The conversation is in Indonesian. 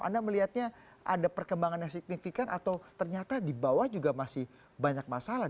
anda melihatnya ada perkembangan yang signifikan atau ternyata di bawah juga masih banyak masalah